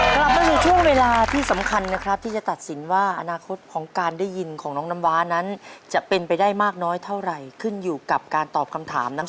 กลับมาอยู่ช่วงเวลาที่สำคัญนะครับที่จะตัดสินว่าอนาคตของการได้ยินของน้องน้ำว้านั้นจะเป็นไปได้มากน้อยเท่าไหร่ขึ้นอยู่กับการตอบคำถาม